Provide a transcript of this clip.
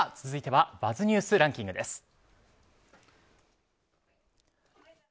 続いてはＢｕｚｚニュースランキングです。